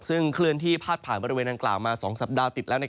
ซึ่งเคลื่อนที่พาดผ่านบริเวณดังกล่าวมา๒สัปดาห์ติดแล้ว